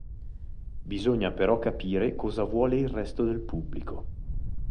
Bisogna però capire cosa vuole il resto del pubblico.